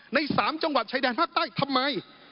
ใน๓จังหวัดชายแดนภาคใต้ทำไม